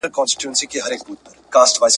کلونه مي پر لار د انتظار کړلې شپې سپیني ..